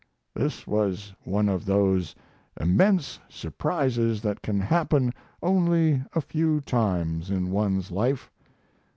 This was one of those immense surprises that can happen only a few times in one's life.